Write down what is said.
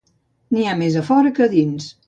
N'hi ha més a fora que a dins.